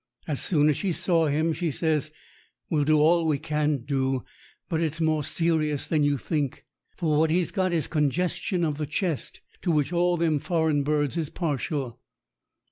As soon as she saw him, she says, "We'll do all we can do, but it's more serious than you think. For what he's got is congestion of the chest, to which all them foreign birds is partial."